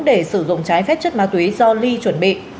để sử dụng trái phép chất ma túy do ly chuẩn bị